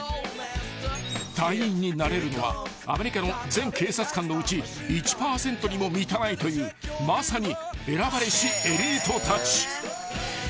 ［隊員になれるのはアメリカの全警察官のうち１％にも満たないというまさに選ばれしエリートたち］